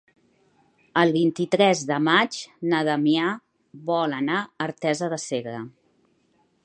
El vint-i-tres de maig na Damià vol anar a Artesa de Segre.